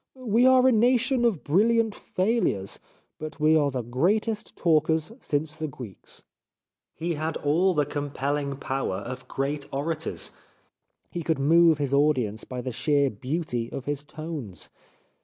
We are a nation of bril liant failures, but we are the greatest talkers since the Greeks." He had all the compelhng power of great orators. He could move his audience by the sheer beauty of his tones.